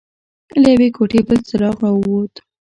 له يوې کوټې بل څراغ راووت.